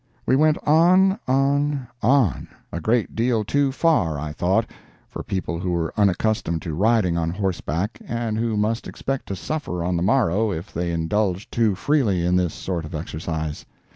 We went on—on—on—a great deal too far, I thought, for people who were unaccustomed to riding on horseback, and who must expect to suffer on the morrow if they indulged too freely in this sort of exercise.